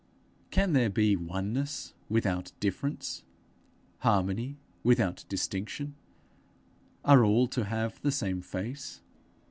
Can there be oneness without difference? harmony without distinction? Are all to have the same face?